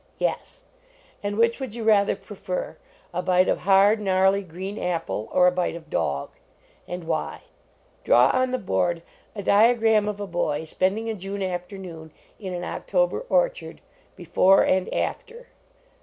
Yes ; and which would you rather prefer, a bite of hard, gnarly green apple, or a bite of dog ? And why ? Draw on the board a diagram of a boy spending a June afternoon in an October orchard, before and after.